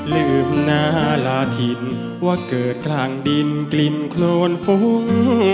ลืมหน้าลาถิ่นว่าเกิดกลางดินกลิ่นโครนฟุ้ง